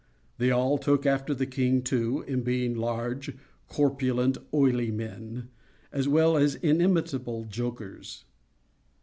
They all took after the king, too, in being large, corpulent, oily men, as well as inimitable jokers.